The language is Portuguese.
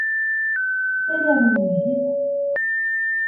Ele era um homem rico?